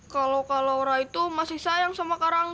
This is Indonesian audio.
kalo kak laura itu masih sayang sama kak rangga